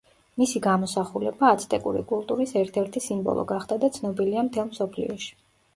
მისი გამოსახულება აცტეკური კულტურის ერთ-ერთი სიმბოლო გახდა და ცნობილია მთელ მსოფლიოში.